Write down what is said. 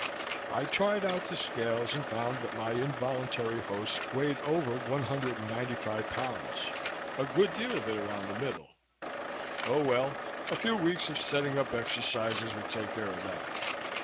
I tried out the scales and found that my involuntary host weighed over 195 pounds a good deal of it around the middle. Oh, well, a few weeks of setting up exercises would take care of that.